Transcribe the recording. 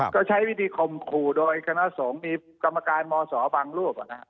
ก็ใช้วิธีคมขู่โดยคณะสงฆ์มีกรรมการมศบางรูป